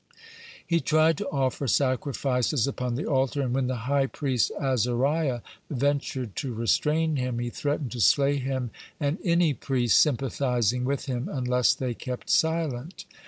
He tried to offer sacrifices upon the altar, and when the high priest Azariah (29) ventured to restrain him, he threatened to slay him and any priest sympathizing with him unless they kept silent.